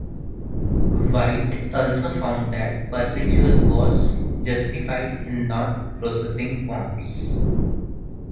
White also found that Perpetual was justified in not processing forms.